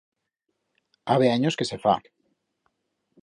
Habe anyos que se fa.